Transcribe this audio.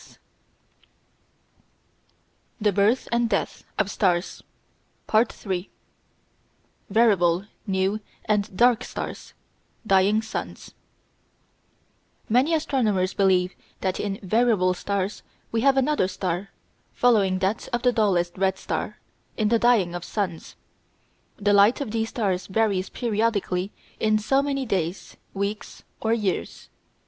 ] THE BIRTH AND DEATH OF STARS § 3 Variable, New, and Dark Stars: Dying Suns Many astronomers believe that in "variable stars" we have another star, following that of the dullest red star, in the dying of suns. The light of these stars varies periodically in so many days, weeks, or years.